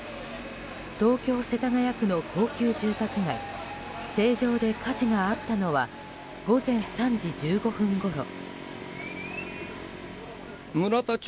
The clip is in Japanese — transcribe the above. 東京・世田谷区の高級住宅街成城で火事があったのは午前３時１５分ごろ。